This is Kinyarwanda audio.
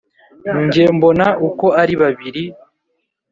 jye mbona uko ari babiri